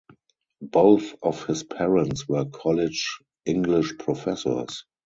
Both of his parents were college English professors.